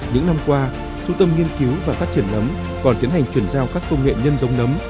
những năm qua trung tâm nghiên cứu và phát triển nấm còn tiến hành chuyển giao các công nghệ nhân giống nấm